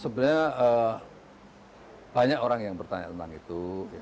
sebenarnya banyak orang yang bertanya tentang itu